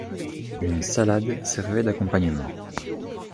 Une salade servait d’accompagnement.